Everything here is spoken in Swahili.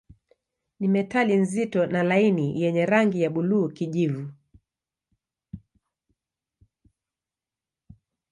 Ni metali nzito na laini yenye rangi ya buluu-kijivu.